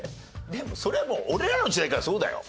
でもそれもう俺らの時代からそうだよ。